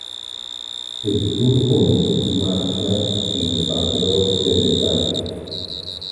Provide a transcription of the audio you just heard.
El tour comenzó su marcha en el Paseo Hermitage.